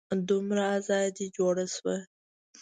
دومره ازادي جوړه شوه.